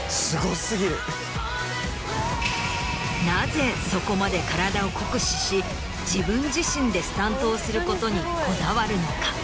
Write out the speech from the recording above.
なぜそこまで体を酷使し自分自身でスタントをすることにこだわるのか？